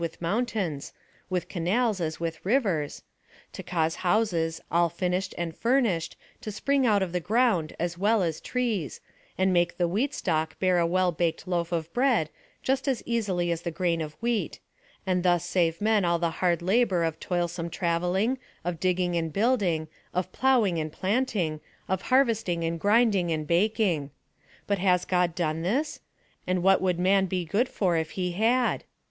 with i lountains, with canals as with rivers — to cause houses, ail finished and furnished, to spring out of the ground as weL as trees, and make the wheat stalk bear a well baked loaf of bread just as easily as the grain af wheat — and thus save men all the hard labor of toil some travelling, of digging and building, of ploughinp, and plant ng, of harvesting and grinding and baking. Bui has God done this? And what would man be goC'l for if he had